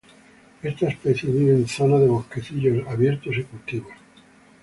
Esta especie vive en zona de bosquecillos abiertos y cultivos.